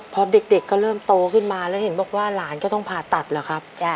พอเด็กก็เริ่มโตขึ้นมาแล้วเห็นบอกว่าหลานก็ต้องผ่าตัดเหรอครับ